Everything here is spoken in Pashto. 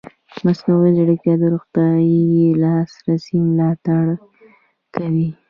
مصنوعي ځیرکتیا د روغتیايي لاسرسي ملاتړ کوي.